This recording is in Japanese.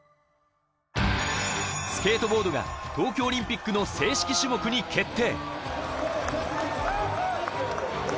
スケートボードが東京オリンピックの正式種目に決定。